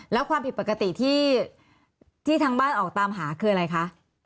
แล้วความผิดปกติที่ทางบ้านออกตามหาคืออะไรคะ